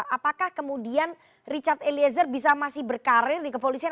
apakah kemudian richard eliezer bisa masih berkarir di kepolisian